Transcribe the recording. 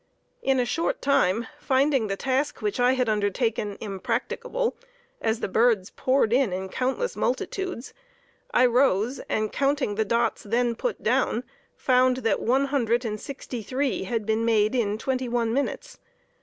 In a short time, finding the task which I had undertaken impracticable, as the birds poured in in countless multitudes, I rose, and counting the dots then put down, found that one hundred and sixty three had been made in twenty one minutes.